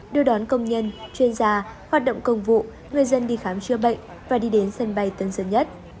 đưa đón công nhân chuyên gia hoạt động công vụ người dân đi khám chữa bệnh và đi đến sân bay tân sơn nhất